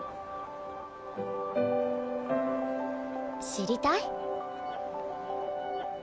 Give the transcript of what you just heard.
知りたい？